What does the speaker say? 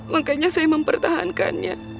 makanya saya mempertahankannya